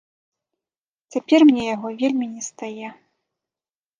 Цяпер мне яго вельмі не стае.